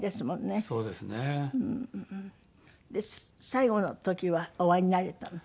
最期の時はお会いになれたの？